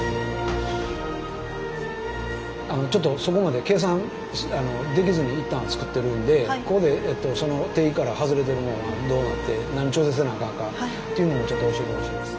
ちょっとそこまで計算できずに一旦は作ってるんでここでその定義から外れてるもんはどうなって何調節せなあかんかっていうのをちょっと教えてほしいです。